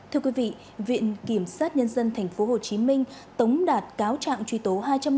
thưa quý vị viện kiểm sát nhân dân tp hcm tống đạt cáo trạng truy tố hai trăm năm mươi